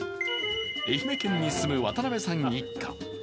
愛媛県に住む渡邊さん一家。